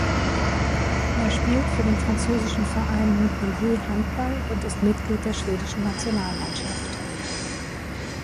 Er spielt für den französischen Verein Montpellier Handball und ist Mitglied der schwedischen Nationalmannschaft.